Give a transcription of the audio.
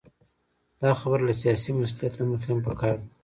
دا خبره له سیاسي مصلحت له مخې هم پکار ده.